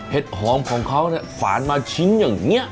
เห็ดหอมของเขาฝานมาชิ้นอย่างนี้